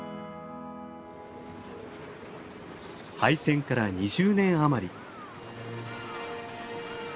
廃線から２０年余り。